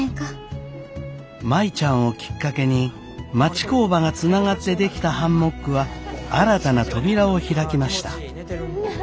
舞ちゃんをきっかけに町工場がつながって出来たハンモックは新たな扉を開きました。